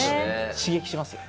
刺激しますね。